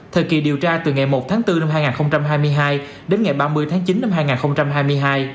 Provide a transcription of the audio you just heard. hai nghìn hai mươi ba thời kỳ điều tra từ ngày một tháng bốn năm hai nghìn hai mươi hai đến ngày ba mươi tháng chín năm hai nghìn hai mươi hai